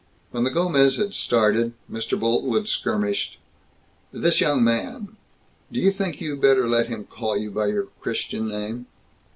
When the Gomez had started, Mr. Boltwood skirmished, "This young man Do you think you better let him call you by your Christian name?"